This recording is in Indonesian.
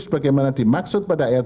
bagaimana dimaksud pada ayat satu